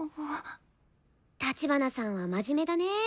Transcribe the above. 立花さんは真面目だねぇ。